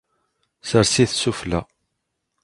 Sers-it sufella.